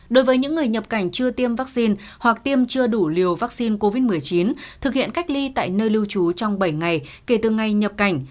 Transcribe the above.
đối với những người nhập cảnh chưa tiêm vaccine hoặc tiêm chưa đủ liều vaccine covid một mươi chín thực hiện cách ly tại nơi lưu trú trong bảy ngày kể từ ngày nhập cảnh